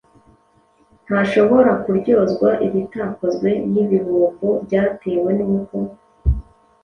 ntashobora kuryozwa ibitakozwe n’ibihombo byatewe n’uko: